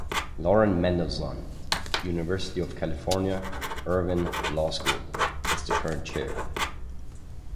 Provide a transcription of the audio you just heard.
Lauren Mendelsohn, University of California Irvine Law School, is the current Chair.